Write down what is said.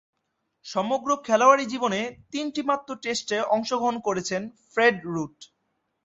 সমগ্র খেলোয়াড়ী জীবনে তিনটিমাত্র টেস্টে অংশগ্রহণ করেছেন ফ্রেড রুট।